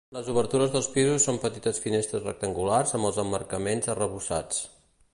Les obertures dels pisos són petites finestres rectangulars amb els emmarcaments arrebossats.